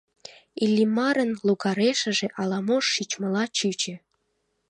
Иллимарын логарешыже ала-мо шичмыла чучо.